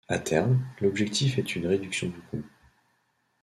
A terme, l'objectif est une réduction du coût.